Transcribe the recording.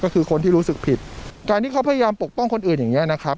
ก็คือคนที่รู้สึกผิดการที่เขาพยายามปกป้องคนอื่นอย่างเงี้ยนะครับ